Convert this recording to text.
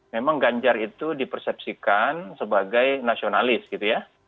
memang ganjar itu dipersepsikan sebagai nasionalis gitu ya